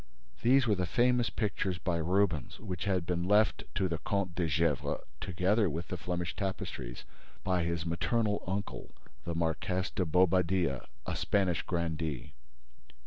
These were the famous pictures by Rubens which had been left to the Comte de Gesvres, together with the Flemish tapestries, by his maternal uncle, the Marqués de Bobadilla, a Spanish grandee.